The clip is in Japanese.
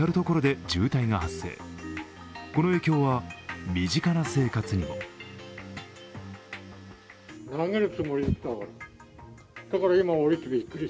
この影響は、身近な生活にも。